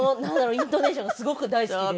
イントネーションがすごく大好きで。